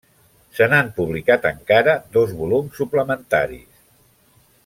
Se n'han publicat encara dos volums suplementaris.